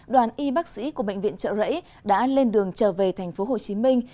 đoàn y bác sĩ của bệnh viện trợ rẫy đã lên đường trở về thành phố hồ chí minh